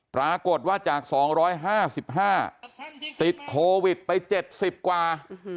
ปรากฏว่าจาก๒๕๕ติดโควิดไป๗๐กว่า